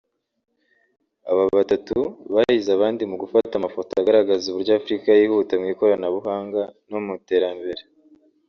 Aba batatu bahize abandi mu gufata amafoto agaragaza uburyo Afurika yihuta mu ikoranabuhanga no mu iterambere